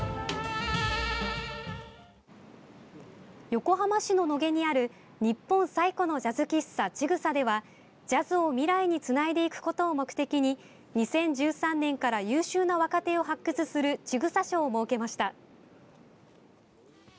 横浜市の野毛にある日本最古のジャズ喫茶「ちぐさ」ではジャズを未来につないでいくことを目的に２０１３年から優秀な若手を発掘するちぐさ賞を設けました。